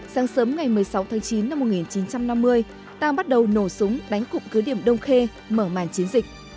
sáng sớm ngày một mươi sáu tháng chín năm một nghìn chín trăm năm mươi ta bắt đầu nổ súng đánh cụm cứ điểm đông khê mở màn chiến dịch